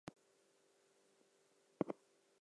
Snakeflies are usually found in temperate coniferous forest.